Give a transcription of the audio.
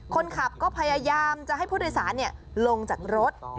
คนขับก็พยายามจะให้ผู้โดยสารลงจากรถ